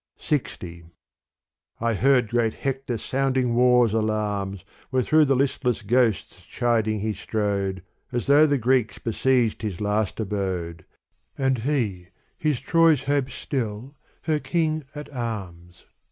• LX I HEARD great Hector sounding war's alarms Where through the listless ghosts chiding he strode, As though the Greeks besieged his last abode, And he his Troy's hope still, her king at arms.